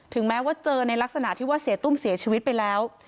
แม้ว่าเจอในลักษณะที่ว่าเสียตุ้มเสียชีวิตไปแล้ว